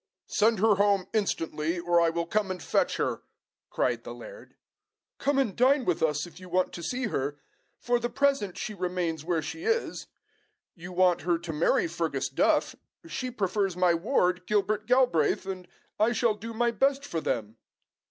"Send her home instantly, or I will come and fetch her," cried the laird. "Come and dine with us if you want to see her. For the present she remains where she is. You want her to marry Fergus Duff; she prefers my ward, Gilbert Galbraith, and I shall do my best for them."